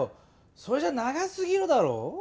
それじゃ長すぎるだろう？